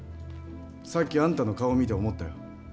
さっきあんたの顔を見て思ったよ。